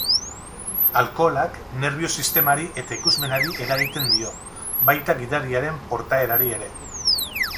Alkoholak nerbio sistemari eta ikusmenari eragiten dio, baita gidariaren portaerari ere.